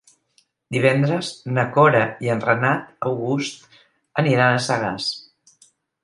Divendres na Cora i en Renat August aniran a Sagàs.